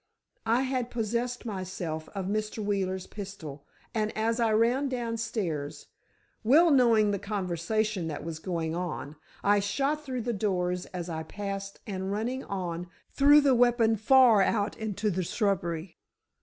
I had possessed myself of Mr. Wheeler's pistol and as I ran downstairs—well knowing the conversation that was going on, I shot through the doors as I passed and running on, threw the weapon far out into the shrubbery.